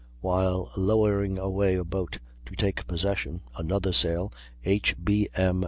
While lowering away a boat to take possession, another sail (H. B. M.